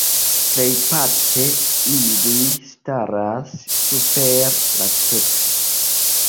Plejparte ili staras super la teksto.